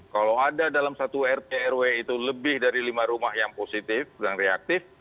kalau ada dalam satu rprw itu lebih dari lima rumah yang positif dan reaktif